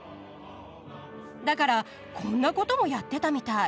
だからこんなこともやってたみたい。